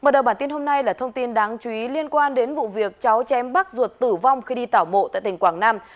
mở đầu bản tin hôm nay là thông tin đáng chú ý liên quan đến vụ việc cháu chém bác ruột tử vong khi đi tảo mộ tại tỉnh quảng nam